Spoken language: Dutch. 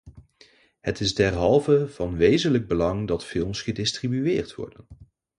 Het is derhalve van wezenlijk belang dat films gedistribueerd worden.